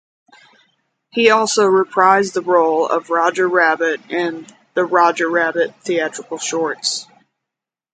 He also reprised the role of Roger Rabbit in the "Roger Rabbit" theatrical shorts.